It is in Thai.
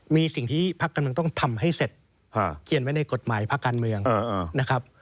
มีสิ่งที่พักกำลังต้องทำให้เสร็จเขียนไว้ในกฎหมายพักการเมืองนะครับ